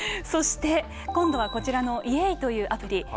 そして、今度はこちらのＹａｙ！というアプリ。